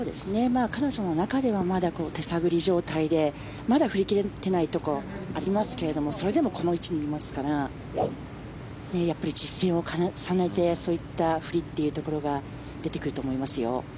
彼女の中ではまだ手探り状態でまだ振り切れていないところありますけれどもそれでもこの位置にいますから実戦を重ねてそういった振りというところが出てくると思いますよ。